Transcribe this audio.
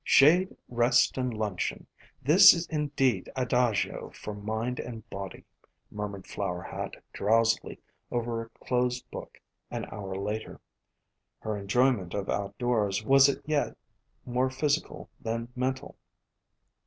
"Shade, rest, and — luncheon! This is indeed Adagio for mind and body," murmured Flower Hat drowsily over a closed book an hour later. Her enjoyment of outdoors was as yet more physical than mental.